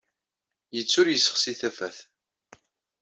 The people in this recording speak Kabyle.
Yettu ur yessexsi tafat.